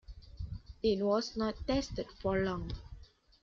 It was not tested for long.